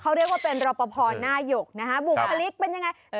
เขาเรียกว่าเป็นรอปภหน้าหยกนะฮะบุคลิกเป็นยังไง